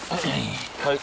はい。